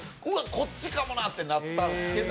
こっちかもなってなったんですけど。